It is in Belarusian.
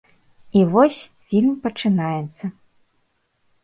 І вось, фільм пачынаецца.